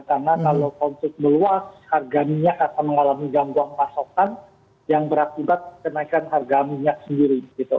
karena kalau konflik meluas harga minyak akan mengalami gangguan pasokan yang beraktifat kenaikan harga minyak sendiri